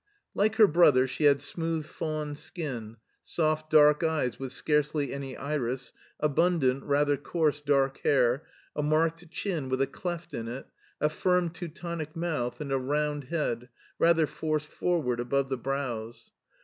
Like her brother she had smooth fawn skin, soft dark eyes with scarcely any iris, abundant, rather coarse dark hair, a marked chin with a cleft in it, a firm Teutonic mouth and a round head, rather forced forward above the brows.